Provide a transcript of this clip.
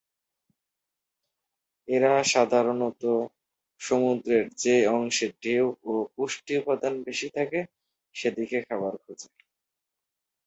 এরা সাধারণত সমুদ্রের যে অংশে ঢেউ ও পুষ্টি উপাদান বেশি থাকে সেদিকে খাবার খোঁজে।